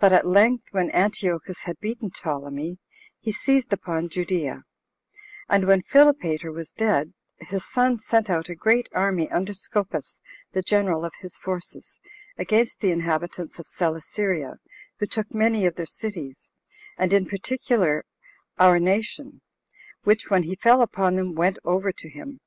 But at length, when Antiochus had beaten Ptolemy, he seized upon Judea; and when Philopater was dead, his son sent out a great army under Scopas, the general of his forces, against the inhabitants of Celesyria, who took many of their cities, and in particular our nation; which when he fell upon them, went over to him.